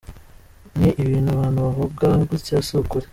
Ni ibintu abantu bavuga gutyo, si ukuri.